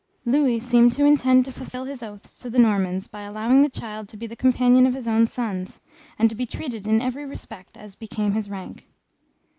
Louis seemed to intend to fulfil his oaths to the Normans by allowing the child to be the companion of his own sons, and to be treated in every respect as became his rank.